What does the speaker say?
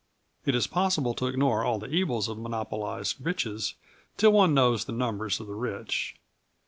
It is possible to ignore all the evils of monopolised riches till one knows the numbers of the rich.